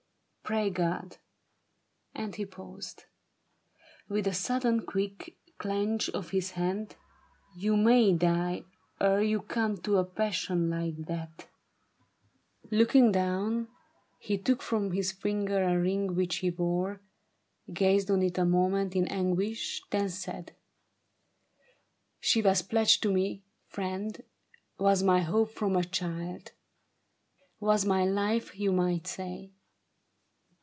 Pray God—" and he paused With a sudden quick clench of his hand —" you may die Ere you come to a passion like that." A TRAGEDY OF SEDAN. 69 Looking down, He took from his finger a ring which he wore, Gazed on it a moment in anguish, then said :" She was pledged to me, friend ; was my hope from a child ; Was my life, you might say.